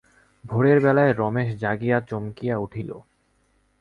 ভোরের বেলায় রমেশ জাগিয়া চমকিয়া উঠিল।